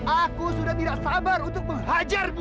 aku sudah tidak sabar untuk menghajarmu